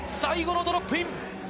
最後のドロップイン。